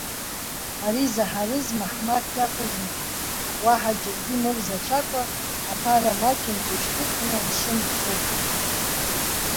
Ари заҳарыз Маҳмаҭ иакәызма, уаҳа џьаргьы имырзацәакәа, аԥара маҷымкәа ишьҭыхны амшын дхылт.